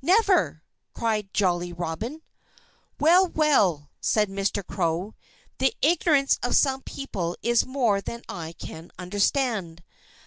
"Never!" cried Jolly Robin. "Well, well!" said Mr. Crow. "The ignorance of some people is more than I can understand....